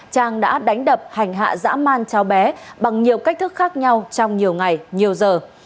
trang đã đánh đập hành hạ dã man cháu bé bằng nhiều cách thức khác nhau trong nhiều ngày nhiều giờ